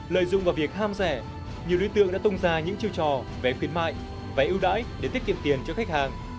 lợi dụng vào việc ham rẻ nhiều đối tượng đã tung ra những chiêu trò vé khuyến mại vé ưu đãi để tiết kiệm tiền cho khách hàng